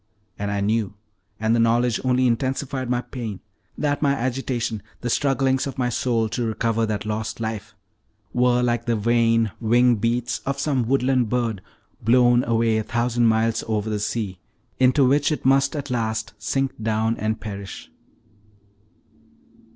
And I knew, and the knowledge only intensified my pain, that my agitation, the strugglings of my soul to recover that lost life, were like the vain wing beats of some woodland bird, blown away a thousand miles over the sea, into which it must at last sink down and perish.